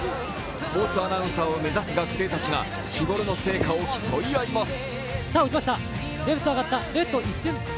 スポーツアナウンサーを目指す学生たちが日頃の成果を競い合います。